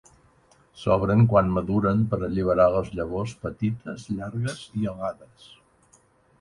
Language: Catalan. S'obren quan maduren per alliberar les llavors petites, llargues i alades.